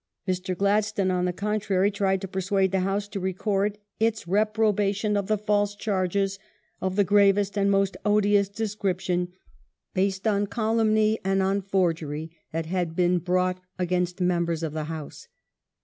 Mr. Gladstone, on the contrary, tried to pei suade the House to record " its reprobation of the false charges of the gravest and most odious description, based on calumny and on forgery, tliat had been brought against members of the House